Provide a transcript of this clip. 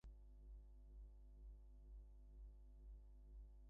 Joan also says that she will crown the Dauphin in Reims Cathedral.